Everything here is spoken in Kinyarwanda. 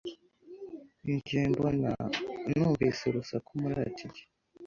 Njye mbona numvise urusaku muri atike.